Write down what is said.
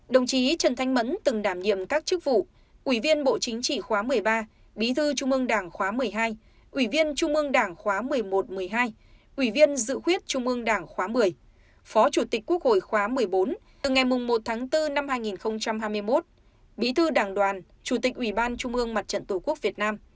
đồng chí trần thanh mẫn từng đảm nhiệm các chức vụ ủy viên bộ chính trị khóa một mươi ba bí thư trung mương đảng khóa một mươi hai ủy viên trung mương đảng khóa một mươi một một mươi hai ủy viên dự khuyết trung mương đảng khóa một mươi phó chủ tịch quốc hội khóa một mươi bốn từ ngày một tháng bốn năm hai nghìn hai mươi một bí thư đảng đoàn chủ tịch ủy ban trung mương mặt trận tổ quốc việt nam